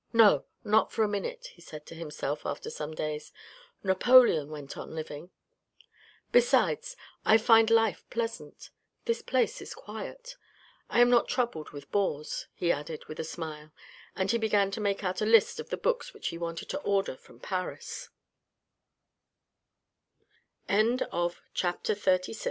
No, not for a minute," he said to himself after some days, " Napoleon went on living." " Besides, I find life pleasant, this place is quiet, I am not troubled with bores," he added with a smile, and he began to make out a list of the books which he wanted to